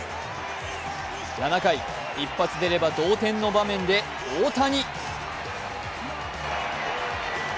７回、一発出れば同点の場面で大谷。